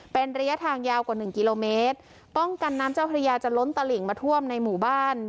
เป็นระยะทางยาวกว่าหนึ่งกิโลเมตรป้องกันน้ำเจ้าพระยาจะล้นตลิ่งมาท่วมในหมู่บ้าน